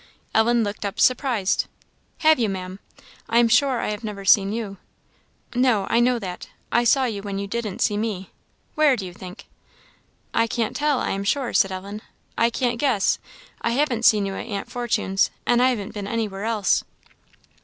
Ellen looked up, surprised. "Have you, Maam? I am sure I have never seen you." "No, I know that. I saw you when you didn't see me. Where, do you think?" "I can't tell, I am sure," said Ellen, "I can't guess; I haven't seen you at Aunt Fortune's, and I haven't been anywhere else."